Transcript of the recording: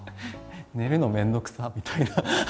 寝るの面倒くさっ！みたいな。